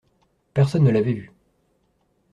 Personne ne l’avait vu.